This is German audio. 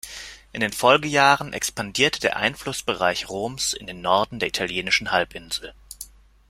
In den Folgejahren expandierte der Einflussbereich Roms in den Norden der italienischen Halbinsel.